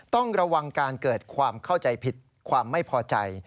ต้องระวังการเกิดความเข้าใจผิดความไม่พอใจ